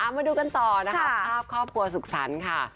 มาดูกันต่อนะคะภาพครอบครัวสุขสรรค์ค่ะ